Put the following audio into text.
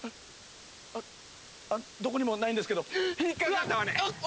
あっどこにもないんですけど引っかかったわね